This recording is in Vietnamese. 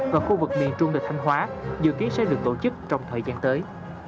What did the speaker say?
và khu vực miền trung tại thanh hóa dự kiến sẽ được tổ chức trong thời gian tới